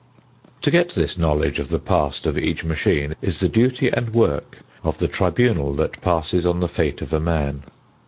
To get this knowledge of the past of each machine is the duty and work of the tribunal that passes on the fate of a man.